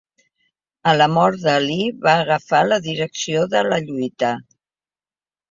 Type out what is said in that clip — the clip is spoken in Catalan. A la mort d'Ali va agafar la direcció de la lluita.